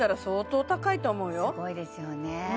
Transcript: すごいですよね